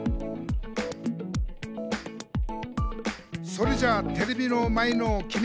「それじゃテレビの前のきみ！」